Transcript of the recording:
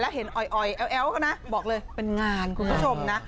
แล้วเห็นออยแอ๊วก็นะบอกเลยเป็นงานคุณผู้ชมนะ